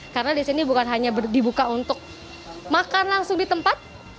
karena di sini bukan hanya dibuka untuk makan langsung di tempat